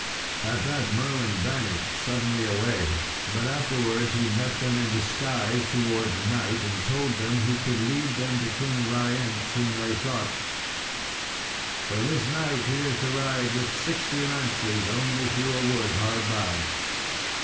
At that Merlin vanished suddenly away; but afterwards he met them in disguise towards night, and told them he could lead them to King Ryence, whom they sought. "For this night he is to ride with sixty lances only through a wood hard by."